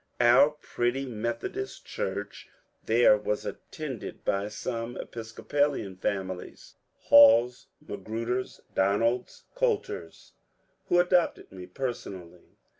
Our pretty Methodist church there was attended by some Episcopalian families — Halls, Magruders, Donalds, Coulters — who adopted me personally.